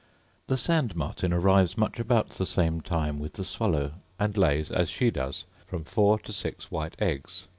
The sand martin arrives much about the same time with the swallow, and lays, as she does, from four to six white eggs.